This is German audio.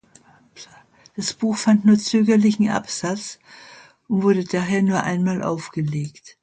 Das Buch fand nur zögerlichen Absatz, und wurde daher nur einmal aufgelegt.